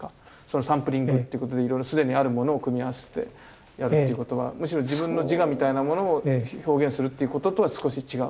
サンプリングっていうことでいろいろ既にあるものを組み合わせてやるっていうことはむしろ自分の自我みたいなものを表現するっていうこととは少し違う。